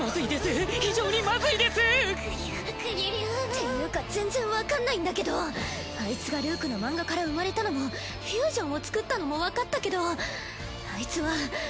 ていうか全然わかんないんだけどあいつがルークの漫画から生まれたのもフュージョンを作ったのもわかったけどあいつは。